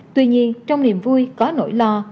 tuy nhiên trong niềm vui có nỗi lo